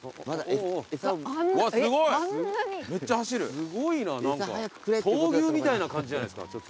すごいな何か闘牛みたいな感じじゃないですかちょっと。